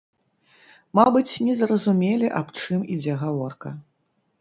Мабыць, не зразумелі аб чым ідзе гаворка.